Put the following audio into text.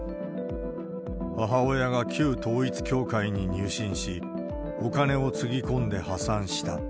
母親が旧統一教会に入信し、お金をつぎ込んで破産した。